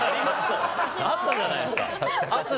あったじゃないですか。